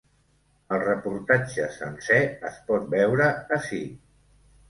El reportatge sencer es pot veure ací.